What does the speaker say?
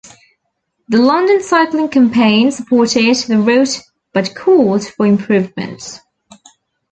The London Cycling Campaign supported the route but called for improvements.